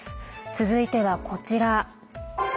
続いては、こちら。